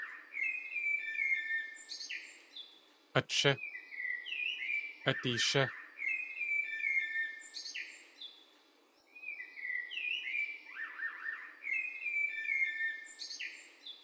Át shí!; Át eeshí.